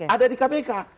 ada di kpk